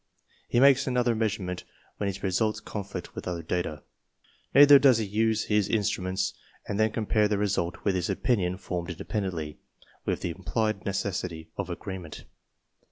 He makes another measurement when his results conflict with other data. Neither does he use his instruments and then compare their result with his opinion formed independently, with the implied necessity of agreement.